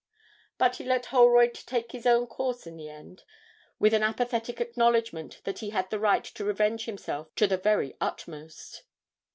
But he let Holroyd take his own course in the end, with an apathetic acknowledgment that he had the right to revenge himself to the very utmost.